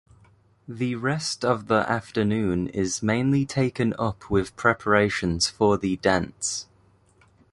The rest of the afternoon is mainly taken up with preparations for the dance.